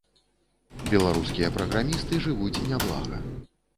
Беларускія праграмісты жывуць няблага.